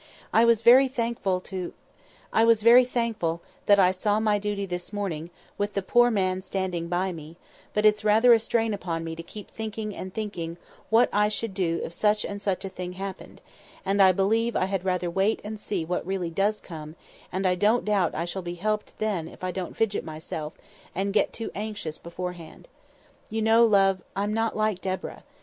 I was very thankful to—I was very thankful, that I saw my duty this morning, with the poor man standing by me; but its rather a strain upon me to keep thinking and thinking what I should do if such and such a thing happened; and, I believe, I had rather wait and see what really does come; and I don't doubt I shall be helped then if I don't fidget myself, and get too anxious beforehand. You know, love, I'm not like Deborah.